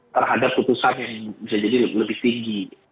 terhadap putusan yang bisa jadi lebih tinggi